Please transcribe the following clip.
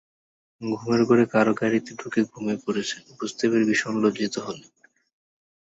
ঘুমের ঘোরে কারও গাড়িতে ঢুকে ঘুমিয়ে পড়েছেন বুঝতে পেরে ভীষণ লজ্জিত হলেন।